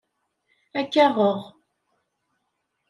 Ad k-aɣeɣ.